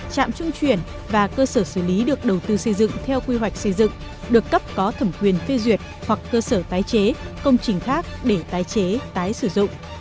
trạm trung chuyển và cơ sở xử lý được đầu tư xây dựng theo quy hoạch xây dựng được cấp có thẩm quyền phê duyệt hoặc cơ sở tái chế công trình khác để tái chế tái sử dụng